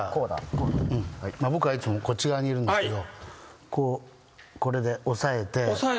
僕はいつもこっち側にいるんですけどこれで。